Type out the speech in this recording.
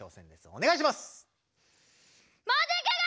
おねがいします！